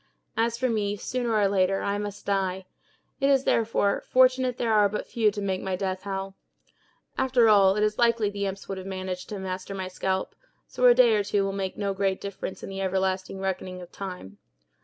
As for me, sooner or later, I must die; it is, therefore, fortunate there are but few to make my death howl. After all, it is likely the imps would have managed to master my scalp, so a day or two will make no great difference in the everlasting reckoning of time.